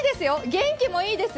元気もいいです。